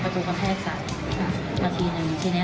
มันจอดอย่างง่ายอย่างง่ายอย่างง่ายอย่างง่าย